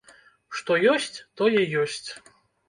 Што ёсць, тое ёсць.